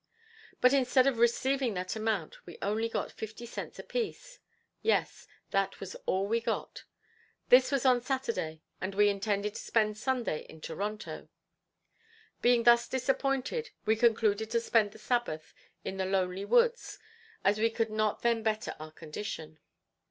But instead of receiving that amount we only got fifty cents a piece; yes that was all we got. This was on Saturday and we intended to spend Sunday in Toronto. Being thus disappointed, we concluded to spend the Sabbath in the lonely woods, as we could not then better our condition.